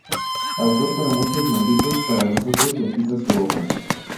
Autor para muchos malditos, para nosotros, bendita su obra.